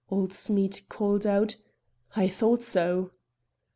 old Smead called out. "I thought so."